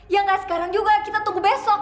ya nggak sekarang juga kita tunggu besok